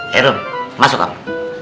hei rom masuk kamu